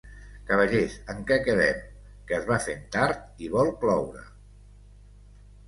Cavallers, en què quedem? Que es va fent tard i vol ploure...